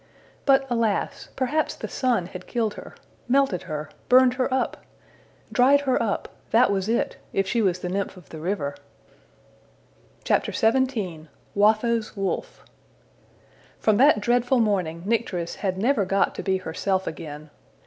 But alas! perhaps the sun had killed her melted her burned her up! dried her up that was it, if she was the nymph of the river! XVII. Watho's Wolf FROM that dreadful morning Nycteris had never got to be herself again.